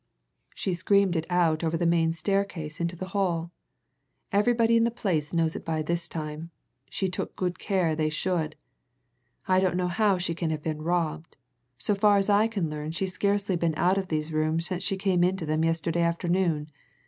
"She screamed it out over the main staircase into the hall! Everybody in the place knows it by this time she took good care they should. I don't know how she can have been robbed so far as I can learn she's scarcely been out of these rooms since she came into them yesterday afternoon.